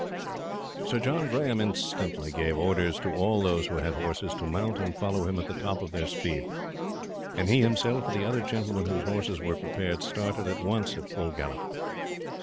Sir John Grahame instantly gave orders to all those who had horses, to mount and follow him at the top of their speed; and he himself, with the other gentlemen whose horses were prepared, started at once at full gallop.